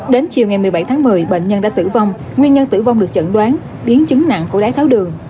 đến chiều ngày một mươi bảy tháng một mươi bệnh nhân đã tử vong nguyên nhân tử vong được chẩn đoán biến chứng nặng của đáy tháo đường